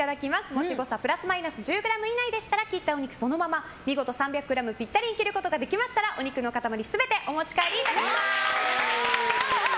もし誤差プラスマイナス１０ｇ以内でしたら切ったお肉をそのまま見事３００ｇピッタリに切ることができましたらお肉の塊全てお持ち帰りいただけます。